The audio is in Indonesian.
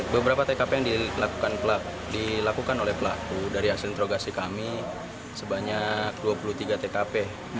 beberapa tkp yang dilakukan oleh pelaku dari hasil introgasi kami sebanyak dua puluh tiga tkp